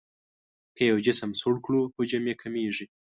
که یو جسم سوړ کړو حجم یې کمیږي.